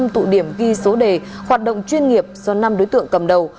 năm tụ điểm ghi số đề hoạt động chuyên nghiệp do năm đối tượng cầm đầu